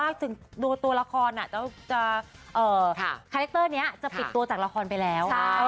คาเลกเตอร์นี้จะปิดตัวจากละครไปแล้ว